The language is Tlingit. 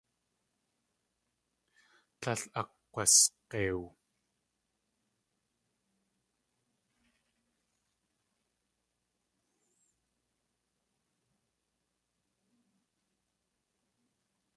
Tlél akg̲wasg̲eiw.